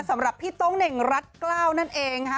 สำหรับพี่โต๊งเหน่งรัฐกล้าวนั่นเองค่ะ